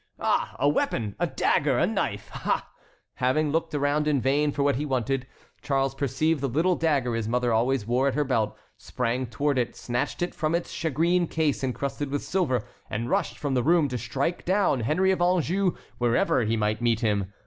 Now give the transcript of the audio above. Ah, a weapon! a dagger! a knife! Ah!" Having looked around in vain for what he wanted, Charles perceived the little dagger his mother always wore at her belt, sprang toward it, snatched it from its shagreen case encrusted with silver, and rushed from the room to strike down Henry of Anjou wherever he might meet him.